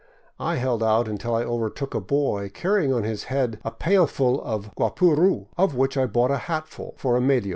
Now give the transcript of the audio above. I held out until I overtook a boy carrying on his head a pailful of guapuru (wah poo roo), of which I bought a hatful for a medio.